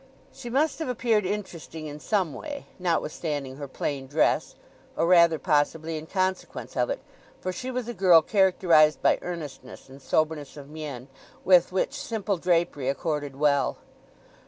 She must have appeared interesting in some way—not withstanding her plain dress—or rather, possibly, in consequence of it, for she was a girl characterized by earnestness and soberness of mien, with which simple drapery accorded well.